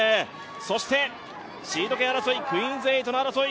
そしてシード権争い、クイーンズ８の争い。